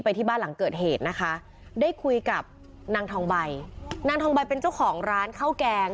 ที่บ้านหลังเกิดเหตุนะคะได้คุยกับนางทองใบนางทองใบเป็นเจ้าของร้านข้าวแกง